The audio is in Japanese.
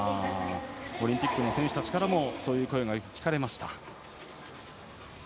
オリンピックの選手たちからもそういう声が聞かれました。